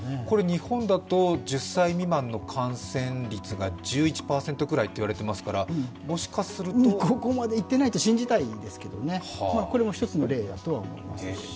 日本だと、１０歳未満の感染率が１１％くらいと言われていますからここまでいってないと信じたいですけどこれも１つの例だとは思います。